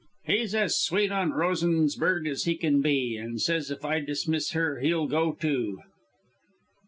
"He's as sweet on Rosensberg as he can be, and says if I dismiss her he'll go too!"